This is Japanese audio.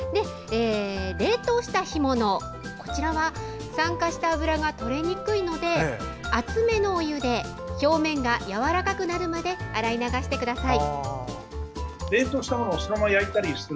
冷凍した干物、こちらは酸化した脂が取れにくいので熱めのお湯で表面がやわらかくなるまで洗い流してください。